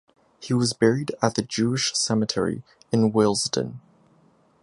He was buried at the Jewish Cemetery in Willesden.